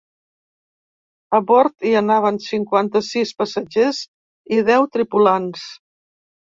A bord hi anaven cinquanta-sis passatgers i deu tripulants.